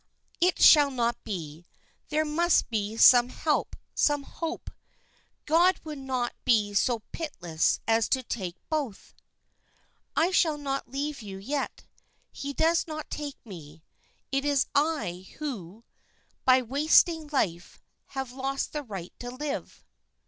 "It shall not be! There must be some help, some hope. God would not be so pitiless as to take both." "I shall not leave you yet. He does not take me; it is I, who, by wasting life, have lost the right to live."